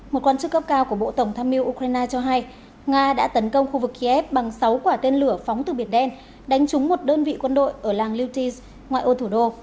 một quan chức cấp cao của bộ tổng tham mưu ukraine cho hay nga đã tấn công khu vực kiev bằng sáu quả tên lửa phóng từ biệt đen đánh trúng một đơn vị quân đội ở làng liutis ngoại ô thủ đô